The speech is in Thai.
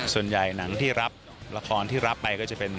ส่วนใหญ่หนังที่รับละครที่รับไปก็จะเป็น